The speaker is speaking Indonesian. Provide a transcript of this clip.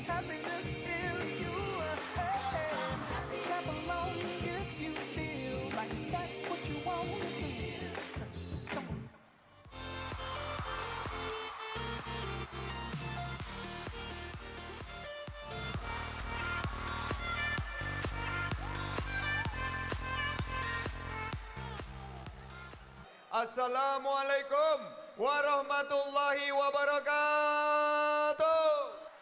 assalamualaikum warahmatullahi wabarakatuh